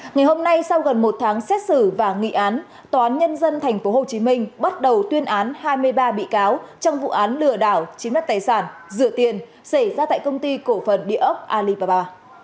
ngày hôm nay sau gần một tháng xét xử và nghị án tòa án nhân dân tp hcm bắt đầu tuyên án hai mươi ba bị cáo trong vụ án lừa đảo chiếm đất tài sản rửa tiền xảy ra tại công ty cổ phần địa ốc alibaba